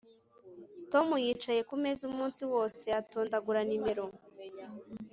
Tom yicaye kumeza umunsi wose atondagura nimero